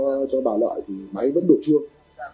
gọi điện thoại cho bà lợi thì máy vẫn đổ chuông